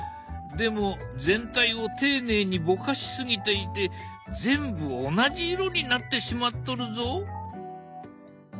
でも全体を丁寧にぼかしすぎていて全部同じ色になってしまっとるぞ。